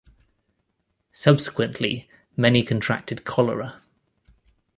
Subsequently many contracted cholera.